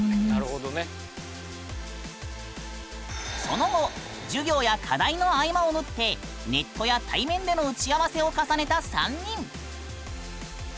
その後授業や課題の合間を縫ってネットや対面での打ち合わせを重ねた３人。